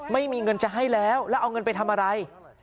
ไม่มีเงินจะให้แล้วแล้วเอาเงินไปทำอะไร